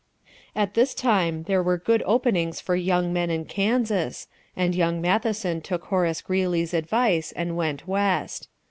At this time there were good openings for young men in Kansas, and young Matheson took Horace Greeley's advice, and went west.